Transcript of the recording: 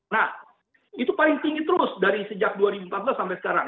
nah itu paling tinggi terus dari sejak dua ribu empat belas sampai sekarang